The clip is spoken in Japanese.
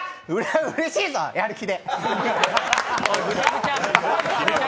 うれしいぞ、やる気で。